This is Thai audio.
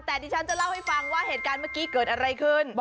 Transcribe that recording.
แต่ดิฉันจะเล่าให้ฟังว่าเหตุการณ์เมื่อกี้เกิดอะไรขึ้น